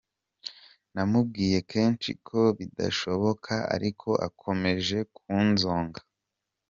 Namubwiye kenshi ko bidashoboka ariko akomeje kunzonga.